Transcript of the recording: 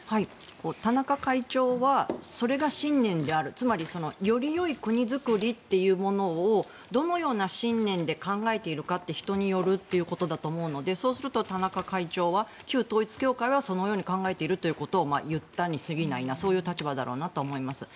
田中会長はそれが信念であるつまりよりよい国づくりというものをどのような信念で考えているかって人によるということだと思うのでそうすると田中会長は旧統一教会はそのように考えているということを言ったに過ぎないそういう立場だろうなと思います。